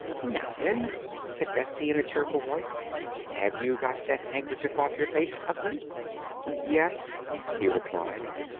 "Now, then," called Betsy in a cheerful voice, "have you got that handkerchief off your face, Ugly?" "Yes," he replied.